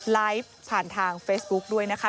ไลฟ์ผ่านทางเฟซบุ๊กด้วยนะคะ